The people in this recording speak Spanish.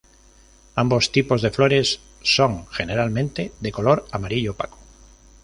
Ambos tipos de flores son generalmente de color amarillo opaco.